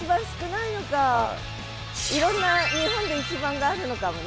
いろんな日本で一番があるのかもね。